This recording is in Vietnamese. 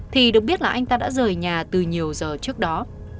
thì được biết là anh ta đã rời nhà từ nhiều giờ trước đó